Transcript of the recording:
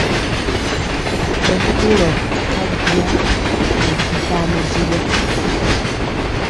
Ɓɛ turɔ abya nɛ dikaa mɛdivɔ.